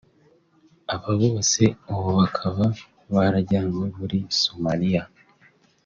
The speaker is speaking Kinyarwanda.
aba bose ubu bakaba barajyanywe muri Somalia